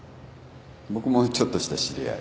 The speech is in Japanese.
僕もちょっとした知り合い。